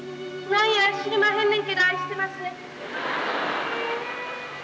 何や知りまへんねんけど愛してまっせ。